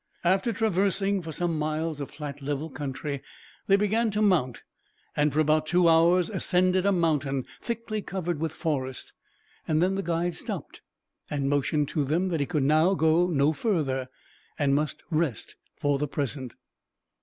After traversing for some miles a flat, level country, they began to mount; and for about two hours ascended a mountain, thickly covered with forest. Then the guide stopped, and motioned to them that he could now go no further, and must rest for the present.